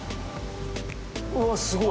うわっすごい。